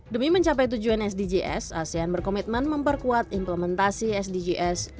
demi mencapai tujuan sdgs asean berkomitmen memperkuat implementasi sdgs